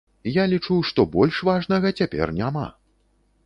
Я лічу, што больш важнага цяпер няма.